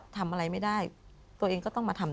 ทำอะไรไม่ได้ตัวเองก็ต้องมาทำ